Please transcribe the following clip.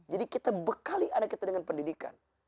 jadi kita bekali anak kita dengan pendidikan